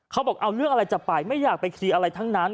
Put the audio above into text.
เขาบอกเอาเรื่องอะไรจะไปไม่อยากไปเคลียร์อะไรทั้งนั้น